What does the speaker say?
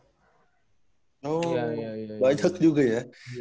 oh banyak juga ya